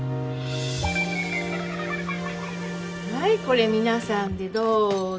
はいこれ皆さんでどうぞ。